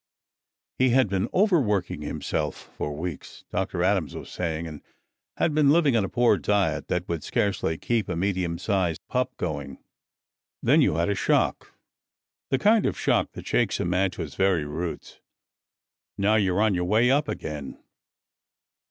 He had been overworking himself for weeks, Dr. Adams was saying, and had been living on a poor diet that would scarcely keep a medium sized pup going. "Then you had a shock, the kind of shock that shakes a man to his very roots. Now you're on your way up again."